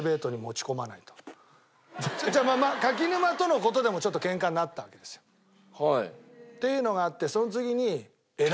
まあ柿沼との事でもちょっと喧嘩になったわけですよ。っていうのがあってその次に。